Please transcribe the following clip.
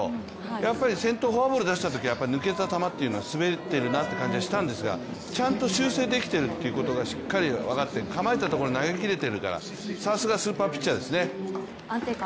やっぱり先頭フォアボールを出したときは、抜けた球というのが滑ってるなって感じがしたんですがちゃんと修正できてるってことがしっかり分かって構えたところに投げ切れてるからさすがスーパーピッチャーですね。